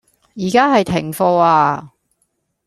而家係停課呀